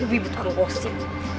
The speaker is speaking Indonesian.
ibu butuh ngosip